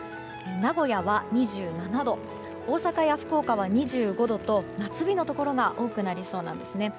名古屋は２７度大阪や福岡は２５度と夏日のところが多くなりそうです。